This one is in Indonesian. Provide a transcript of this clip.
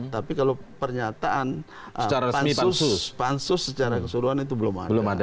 tapi kalau pernyataan pansus secara keseluruhan itu belum ada